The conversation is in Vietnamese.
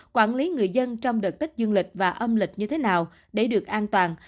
quản lý người dân trong đợt tích dương lịch và âm lịch như thế nào để được an toàn